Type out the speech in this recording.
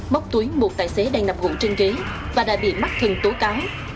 móc túi một tài xế đang nằm ngủ trên ghế và đã bị mắt thần tố cáo